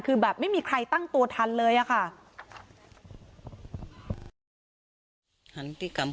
คือแบบไม่มีใครตั้งตัวทันเลยอะค่ะ